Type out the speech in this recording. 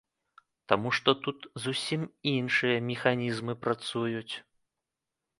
Таму што тут зусім іншыя механізмы працуюць.